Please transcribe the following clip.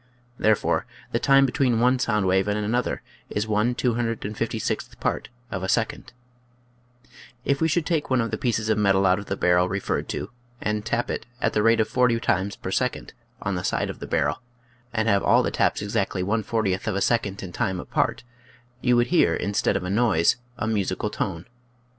Therefore the time between one sound wave and another is one two hundred and fifty sixth part of a second. If we should take one of the pieces of metal out of the barrel referred to, and tap it at the rate of forty times per second on the side of (^\, Original from • K UNIVERSITY OF WISCONSIN 82 nature's ABiracles. the barrel, and have all the taps exactly one fortieth of a second in time apart, you would hear instead of a noise, a musical tone.